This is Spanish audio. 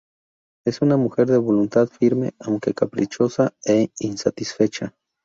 Es una mujer de voluntad firme, aunque caprichosa e insatisfecha.